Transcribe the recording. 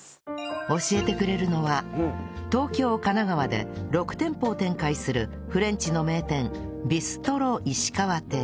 教えてくれるのは東京神奈川で６店舗を展開するフレンチの名店ビストロ石川亭